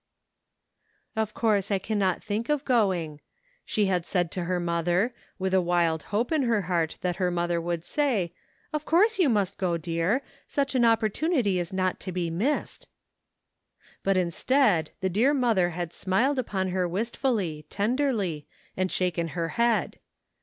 "Of course I cannot think of going," she had said to her mother, with a wild hope in her heart that her mother would sav, "Of course DISAPPOINTMENT. 11 you must go, dear ; such an opportunity is not to be missed." But instead the dear mother had smiled upon her wistfully, tenderly, and shaken her head.